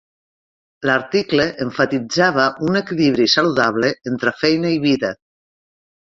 L'article emfatitzava un equilibri saludable entre feina i vida.